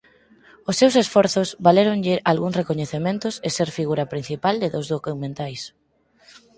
Os seus esforzos valéronlle algúns recoñecementos e ser figura principal de dous documentais.